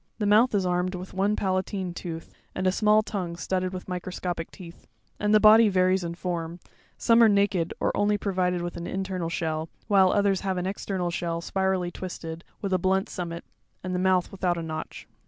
'The mouth is armed with one palatine tooth, and a small tongue studded with microscopic teeth; and the body varies in form; some are naked or only provided with an internal shell, while others have an external shell spirally twisted, with a blunt summit, and the mouth without a notch.